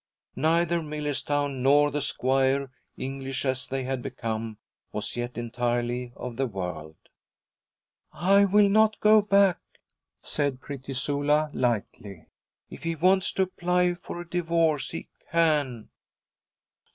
Neither Millerstown nor the squire, English as they had become, was yet entirely of the world. 'I will not go back,' said pretty Sula lightly. 'If he wants to apply for a divorce, he can.'